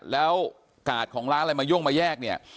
แล้วกาดของร้านอะไรมาย่งมาแยกเนี่ย